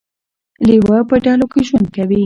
لیوه په ډلو کې ژوند کوي